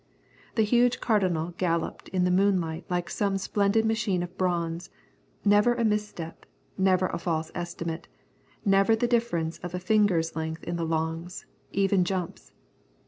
The huge Cardinal galloped in the moonlight like some splendid machine of bronze, never a misstep, never a false estimate, never the difference of a finger's length in the long, even jumps.